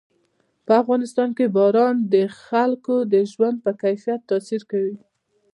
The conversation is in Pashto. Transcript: په افغانستان کې باران د خلکو د ژوند په کیفیت تاثیر کوي.